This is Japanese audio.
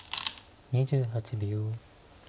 ２８秒。